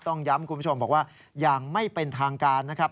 ต้องย้ำคุณผู้ชมบอกว่าอย่างไม่เป็นทางการนะครับ